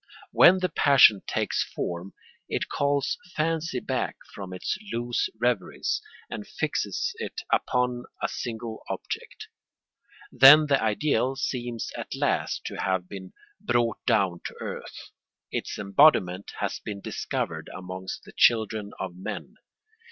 When the passion takes form it calls fancy back from its loose reveries and fixes it upon a single object. Then the ideal seems at last to have been brought down to earth. Its embodiment has been discovered amongst the children of men.